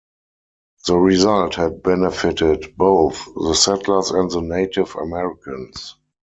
The result had benefited both the settlers and the Native Americans.